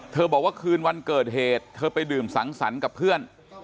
บอกว่าคืนวันเกิดเหตุเธอไปดื่มสังสรรค์กับเพื่อน